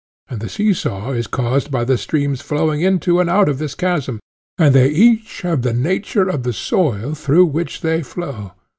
And the see saw is caused by the streams flowing into and out of this chasm, and they each have the nature of the soil through which they flow.